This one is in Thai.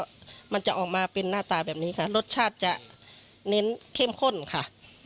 ก็มันจะออกมาเป็นหน้าตาแบบนี้ค่ะรสชาติจะเน้นเข้มข้นค่ะ